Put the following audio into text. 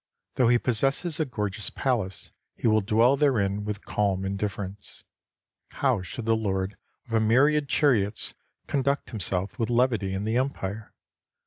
Though he possess a gorgeous palace, he will dwell therein with calm indifference. How should the lord of a myriad chariots conduct himself with levity in the Empire